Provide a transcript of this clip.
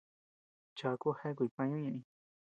Chaku jeakuy pañu ñeʼeñ.